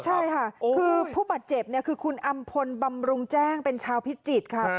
ใช่ค่ะคือผู้บาดเจ็บเนี่ยคือคุณอำพลบำรุงแจ้งเป็นชาวพิจิตรค่ะ